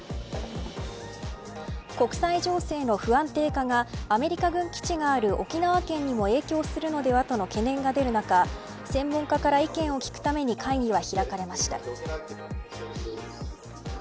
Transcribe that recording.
国際情勢の不安定化がアメリカ軍基地がある沖縄県にも影響するのではとの懸念が出る中専門家から意見を聞くために会議は開かれました。